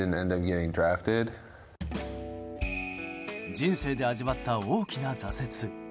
人生で味わった大きな挫折。